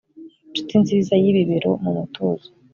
nshuti nziza-yibibero mu mutuzo